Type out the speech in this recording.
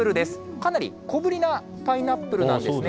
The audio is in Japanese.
かなり小ぶりなパイナップルなんですね。